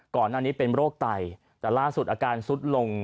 ก่อนหน้านี้เป็นโรคไตแต่ล่าสุดอาการสุดลง